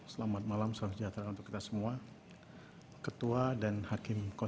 satu bawaslu telah melakukan tugas pencegahan